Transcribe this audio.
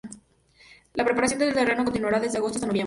La preparación del terreno continuaría desde agosto hasta noviembre.